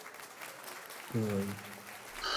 گای